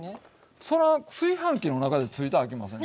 そら炊飯器の中でついたらあきません。